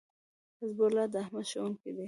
حزب الله داحمد ښوونکی دی